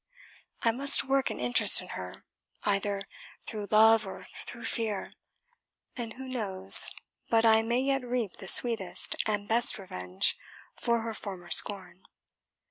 I must work an interest in her, either through love or through fear; and who knows but I may yet reap the sweetest and best revenge for her former scorn?